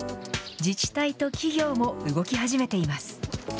自治体と企業も動き始めています。